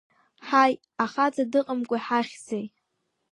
Ҳаи, ахаҵа дыҟамкәа иҳахьзеи!